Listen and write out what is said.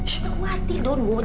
jangan khawatir jangan khawatir